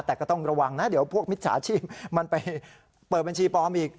แต่ก็ต้องระวังนะเดี๋ยวพวกมิจฉาชีพมันไปเปิดบัญชีปลอมอีก